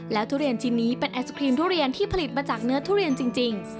ทุเรียนชิ้นนี้เป็นไอศครีมทุเรียนที่ผลิตมาจากเนื้อทุเรียนจริง